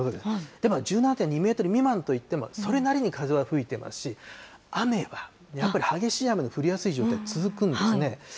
でも１７．２メートル未満といっても、それなりに風は吹いてますし、雨は、やっぱり激しい雨が降りやすい状態、続くんですね。